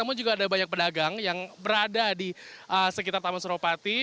namun juga ada banyak pedagang yang berada di sekitar taman suropati